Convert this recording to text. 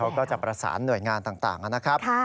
เขาก็จะประสานหน่วยงานต่างนะครับ